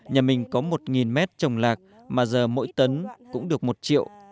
nhà mình có một mét trồng lạc mà giờ mỗi tấn cũng được một triệu